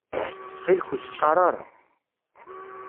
Ttxil-k ur s-qqaṛ ara.